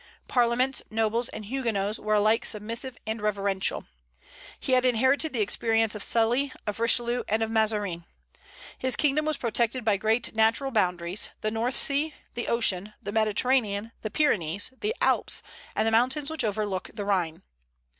Parliaments, nobles, and Huguenots were alike submissive and reverential. He had inherited the experience of Sully, of Richelieu, and of Mazarin. His kingdom was protected by great natural boundaries, the North Sea, the ocean, the Mediterranean, the Pyrenees, the Alps, and the mountains which overlook the Rhine.